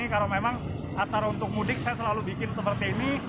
karena memang acara untuk mudik saya selalu bikin seperti ini